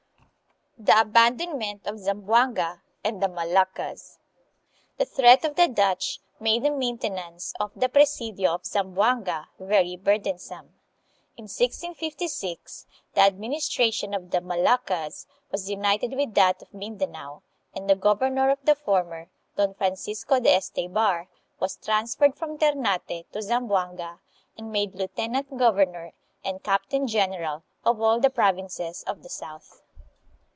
The Abandonment of Zamboanga and the Moluccas. The threat of the Dutch made the maintenance of the presidio of Zamboanga very burdensome. In 1656 the administration of the Moluccas was united with that of Mindanao, and the governor of the former, Don Francisco de Esteybar, was transferred from Ternate to Zamboanga and made lieutenant governor and captain general of all the provinces of the south.